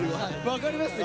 分かります？